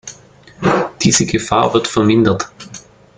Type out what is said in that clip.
Diese Gefahr wird vermindert.